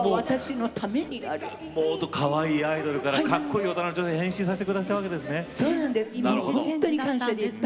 かわいいアイドルからかっこいい大人の女性に変身させてくださったんですね。